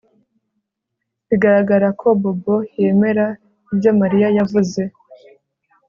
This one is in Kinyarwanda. Biragaragara ko Bobo yemera ibyo Mariya yavuze